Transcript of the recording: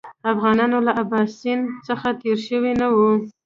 افغانان له اباسین څخه تېر شوي نه وي.